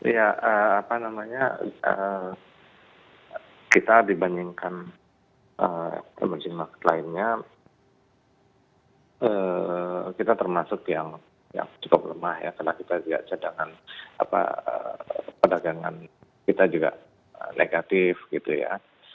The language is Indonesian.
ya apa namanya kita dibandingkan promosi lainnya kita termasuk yang cukup lemah ya karena kita lihat cadangan perdagangan kita juga negatif gitu ya